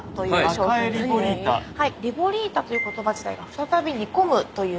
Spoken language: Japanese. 「リボリータ」という言葉自体が「再び煮込む」という意味に。